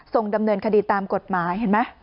ส่งดำเนินคดีตามกฎหมายเห็นไหม